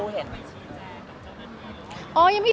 สวัสดีคุณครับสวัสดีคุณครับ